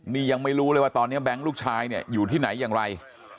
นี่ยังไม่รู้เลยว่าตอนนี้แบงค์ลูกชายเนี่ยอยู่ที่ไหนอย่างไร